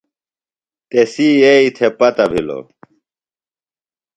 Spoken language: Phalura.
تسی یئییۡ تھےۡ پتہ بِھلوۡ۔